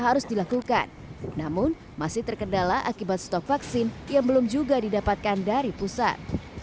harus dilakukan namun masih terkendala akibat stok vaksin yang belum juga didapatkan dari pusat